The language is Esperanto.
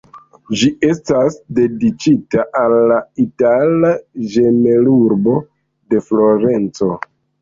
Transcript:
Ĝi estas dediĉita al la itala ĝemelurbo de Florenco.